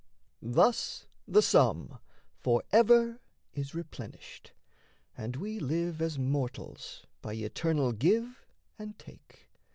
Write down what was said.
Thus the sum Forever is replenished, and we live As mortals by eternal give and take.